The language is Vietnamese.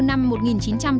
nhưng tôi tin rằng